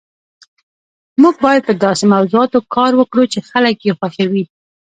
موږ باید په داسې موضوعاتو کار وکړو چې خلک یې خوښوي